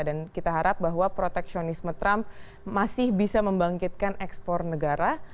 dan kita harap bahwa proteksionisme trump masih bisa membangkitkan ekspor negara